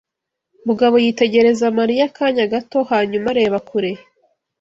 Mugabo yitegereza Mariya akanya gato hanyuma areba kure.